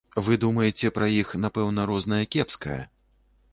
Вы думаеце, пра іх, напэўна, рознае, кепскае.